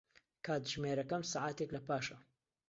کاتژمێرەکەم سەعاتێک لەپاشە.